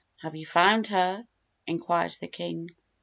"Have you found her?" inquired the king.